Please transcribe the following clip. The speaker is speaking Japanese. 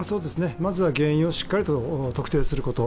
まずは原因をしっかりと特定すること。